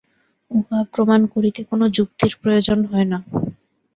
উহা প্রমাণ করিতে কোন যুক্তির প্রয়োজন হয় না।